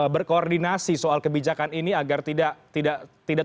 berkoordinasi soal kebijakan ini agar tidak